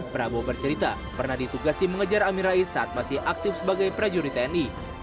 prabowo bercerita pernah ditugasi mengejar amir rais saat masih aktif sebagai prajurit tni